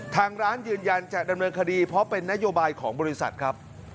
ทางร้านยืนยันจะดำเนินคดีเพราะเป็นนโยบายของบริษัทครับ